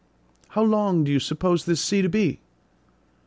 "How long do you suppose this sea to be?"